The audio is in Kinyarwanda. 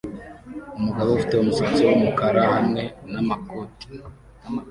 Umugabo ufite umusatsi wumukara hamwe namakoti